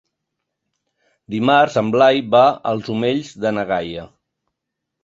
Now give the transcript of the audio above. Dimarts en Blai va als Omells de na Gaia.